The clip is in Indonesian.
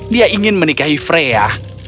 dia ingin menikahi freya